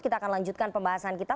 kita akan lanjutkan pembahasan kita